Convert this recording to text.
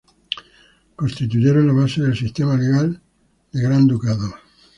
Constituyeron la base del sistema legal del Gran Ducado.